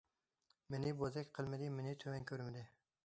مېنى بوزەك قىلمىدى، مېنى تۆۋەن كۆرمىدى.